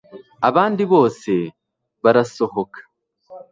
abandi bose barasohoka